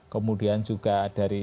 kemudian juga dari